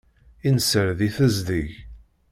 Innser di tezdeg.